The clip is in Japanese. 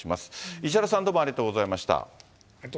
石原さん、どうもありがとうございました。